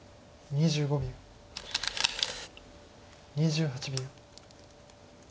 ２８秒。